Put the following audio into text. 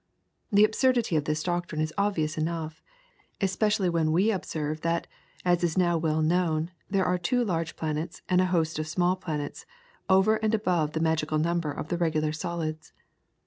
The absurdity of this doctrine is obvious enough, especially when we observe that, as is now well known, there are two large planets, and a host of small planets, over and above the magical number of the regular solids.